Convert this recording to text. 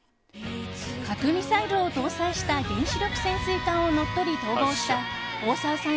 核ミサイルを搭載した原子力潜水艦を乗っ取り逃亡した大沢さん